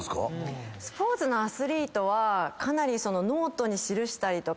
スポーツのアスリートはかなりノートに記したりとか。